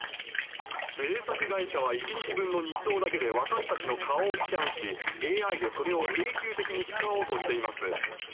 制作会社は１日分の日当だけで私たちの顔をスキャンし、ＡＩでそれを永久的に使おうとしています。